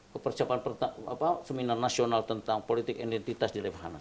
kepercapan semina nasional tentang politik identitas di lemhana